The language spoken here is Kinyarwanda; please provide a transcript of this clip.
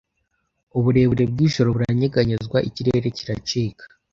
Uburebure bwijoro buranyeganyezwa, ikirere kiracika,